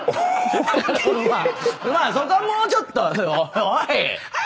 まあそこはもうちょっと。